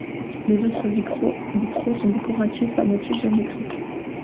Les autres vitraux sont décoratifs à motifs géométriques.